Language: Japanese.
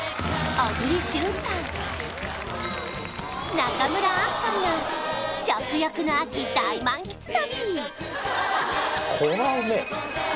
小栗旬さん中村アンさんが食欲の秋大満喫旅